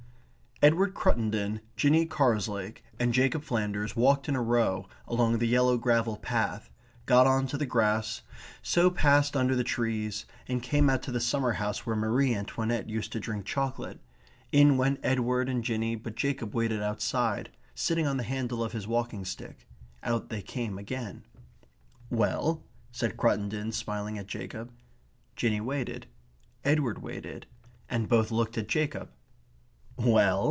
Edward Cruttendon, Jinny Carslake, and Jacob Flanders walked in a row along the yellow gravel path; got on to the grass; so passed under the trees; and came out at the summer house where Marie Antoinette used to drink chocolate. In went Edward and Jinny, but Jacob waited outside, sitting on the handle of his walking stick. Out they came again. "Well?" said Cruttendon, smiling at Jacob. Jinny waited; Edward waited; and both looked at Jacob. "Well?"